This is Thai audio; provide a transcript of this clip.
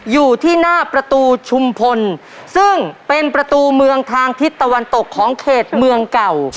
อยู่ที่หน้าประตูชุมพลซึ่งเป็นประตูเมืองทางทิศตะวันตกของเขตเมืองเก่า